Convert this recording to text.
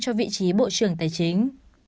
cho vị trí bộ trưởng tài chính